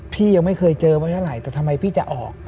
พี่ยังไม่เคยเจอมาเท่าไหร่แต่ทำไมพี่จะออก